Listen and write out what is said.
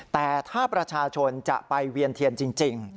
แต่ถ้าประชาชนจะไปเวียนเทียนจริง